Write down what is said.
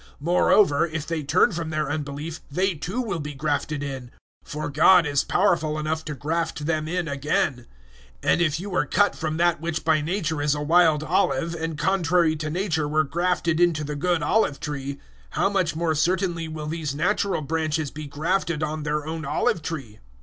011:023 Moreover, if they turn from their unbelief, they too will be grafted in. For God is powerful enough to graft them in again; 011:024 and if you were cut from that which by nature is a wild olive and contrary to nature were grafted into the good olive tree, how much more certainly will these natural branches be grafted on their own olive tree?